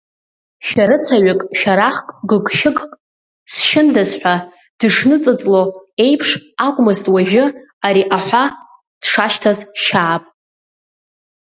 Шәарыцаҩык шәарахк, гыгшәыгк сшьындаз ҳәа дышныҵыҵло еиԥш акәмызт уажәы ари аҳәа дшашьҭаз Шьааб.